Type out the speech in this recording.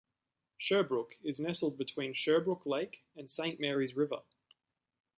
Sherbrooke is nestled between Sherbrooke Lake and Saint Mary's River.